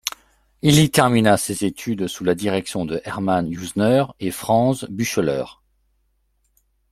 Il y termina ses études sous la direction de Hermann Usener et Franz Bücheler.